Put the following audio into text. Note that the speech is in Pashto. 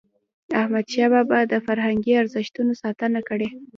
احمدشاه بابا د فرهنګي ارزښتونو ساتنه کړی.